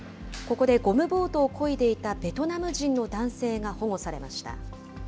ここでゴムボートをこいでいたベトナム人の男性が保護されました。